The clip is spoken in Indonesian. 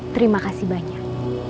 terima kasih banyak